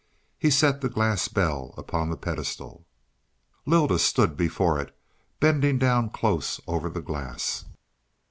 He set the glass bell on the pedestal. Lylda stood before it, bending down close over the glass.